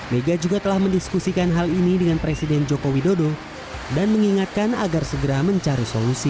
mega juga telah mendiskusikan hal ini dengan presiden joko widodo dan mengingatkan agar segera mencari solusi